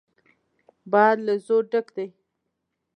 باد له زور ډک دی.